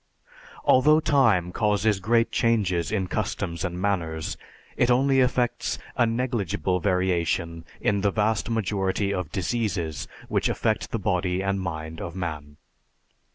Although time causes great changes in customs and manners, it only effects a negligible variation in the vast majority of diseases which affect the body and mind of man.